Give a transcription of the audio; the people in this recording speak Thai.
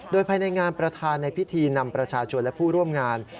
โดยภายในงานประธานในพิธีนำประชาชนและผู้ร่วมงาน